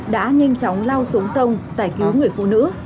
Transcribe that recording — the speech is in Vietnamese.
đã nhanh chóng lao xuống sông giải cứu người phụ nữ